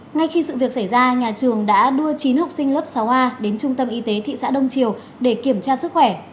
ngay khi sự việc xảy ra nhà trường đã đưa chín học sinh lớp sáu a đến trung tâm y tế thị xã đông triều để kiểm tra sức khỏe